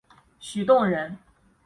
许洞人。